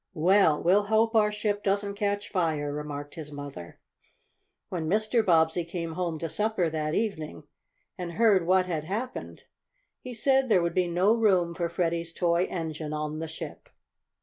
"Well, we'll hope our ship doesn't catch fire," remarked his mother. When Mr. Bobbsey came home to supper that evening, and heard what had happened, he said there would be no room for Freddie's toy engine on the ship. [Illustration: THEY WENT ON BOARD THE SHIP.